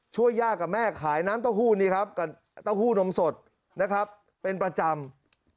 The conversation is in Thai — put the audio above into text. ย่ากับแม่ขายน้ำเต้าหู้นี่ครับกับเต้าหู้นมสดนะครับเป็นประจำ